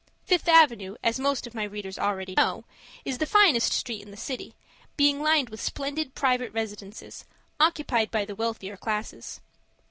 Fifth Avenue, as most of my readers already know, is the finest street in the city, being lined with splendid private residences, occupied by the wealthier classes.